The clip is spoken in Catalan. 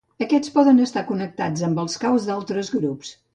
Aquests poden estar connectats amb els caus d'altres grups.